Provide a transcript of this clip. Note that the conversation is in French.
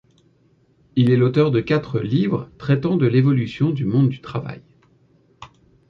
Il est l'auteur de quatre livres traitant de l'évolution du monde du travail.